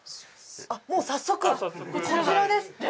あっもう早速。こちらですって！